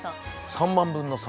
３万分の３。